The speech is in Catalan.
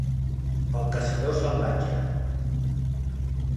El caçador salvatge.